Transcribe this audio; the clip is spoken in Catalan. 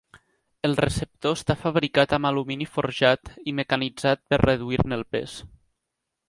El receptor està fabricat amb alumini forjat i mecanitzat per reduir-ne el pes.